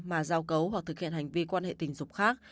mà giao cấu hoặc thực hiện hành vi quan hệ tình dục khác